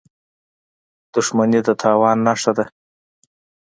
• دښمني د تاوان نښه ده.